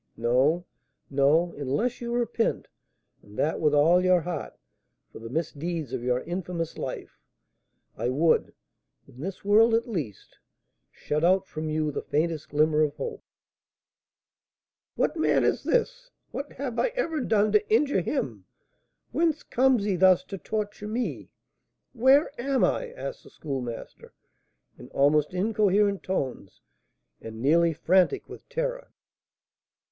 No, no! unless you repent, and that with all your heart, for the misdeeds of your infamous life, I would (in this world, at least) shut out from you the faintest glimmer of hope " "What man is this? What have I ever done to injure him? whence comes he thus to torture me? where am I?" asked the Schoolmaster, in almost incoherent tones, and nearly frantic with terror.